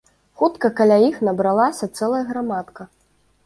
Хутка каля іх набралася цэлая грамадка.